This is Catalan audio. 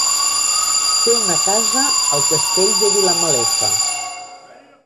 Té una casa al Castell de Vilamalefa.